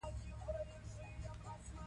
هغه هیواد چې مراد ورته لاړ، ګاونډی و.